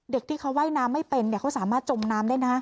เด็กที่เขาว่ายน้ำไม่เป็นเขาสามารถจมน้ำได้นะ